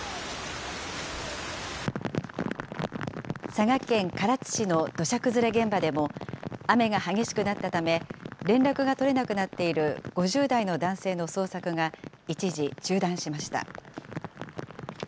佐賀県唐津市の土砂崩れ現場でも、雨が激しくなったため、連絡が取れなくなっている５０代の男性の捜索が一時中断しました。